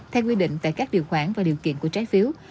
theo quy định tại các điều khoản và điều kiện của trái phiếu